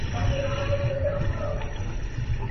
نه به ستا په کلي کي په کاڼو چا ویشتلی وي ..